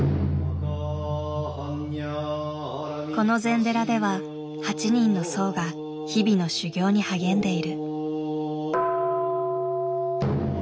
この禅寺では８人の僧が日々の修行に励んでいる。